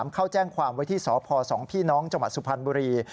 เขาแจ้งความไว้ที่สพสองพี่น้องจสุภัณฑ์บุรี